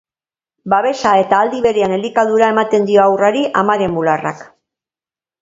Babesa eta, aldi berean, elikadura ematen dio haurrari amaren bularrak.